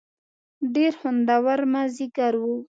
ډېر خوندور مازیګر و.